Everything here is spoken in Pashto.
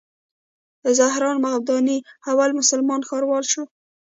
زهران ممداني اول مسلمان ښاروال شو.